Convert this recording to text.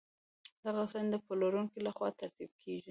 دغه سند د پلورونکي له خوا ترتیب کیږي.